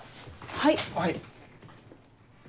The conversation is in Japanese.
はい。